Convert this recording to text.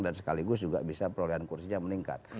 dan sekaligus juga bisa perolehan kursinya meningkat